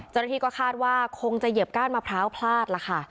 เจ้าหน้าที่ก็คาดว่าคงจะเหยียบก้านมะพร้าวพลาดล่ะค่ะ